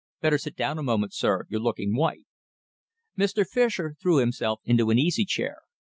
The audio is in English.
Better sit down a moment, sir. You're looking white." Mr. Fischer threw himself into an easy chair.